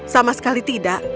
sama sekali tidak